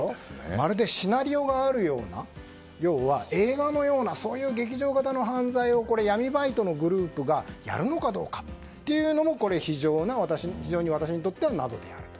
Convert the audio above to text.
まるでシナリオがあるような要は映画のようなそういう劇場型の犯罪を闇バイトのグループがやるのかどうかというのも非常に私にとって謎であると。